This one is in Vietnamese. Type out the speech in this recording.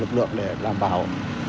lực lượng để làm bảo